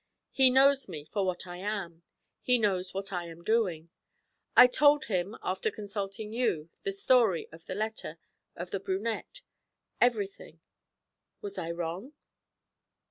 He knows me for what I am; he knows what I am doing. I told him, after consulting you, the story of the letter of the brunette everything. Was I wrong?'